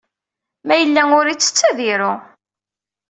Ma yella ur ittett, ad iru.